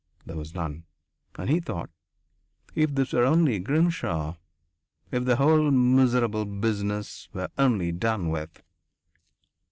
There was none. And he thought: "If this were only Grimshaw! If the whole miserable business were only done with."